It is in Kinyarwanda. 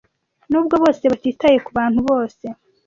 Nubwo bose batitaye kubantu bose